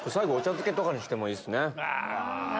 漬けとかにしてもいいっすね。